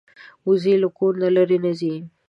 وزې له کور نه لرې نه ځي